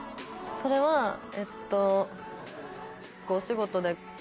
それはえっとお仕事であの。